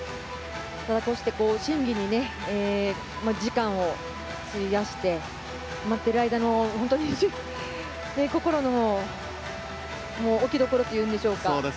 だからこうして審議に時間を費やして待っている間の心の置きどころといいますか。